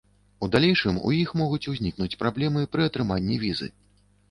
У далейшым у іх могуць узнікнуць праблемы пры атрыманні візы.